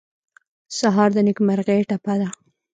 سهار د نېکمرغۍ ټپه ده.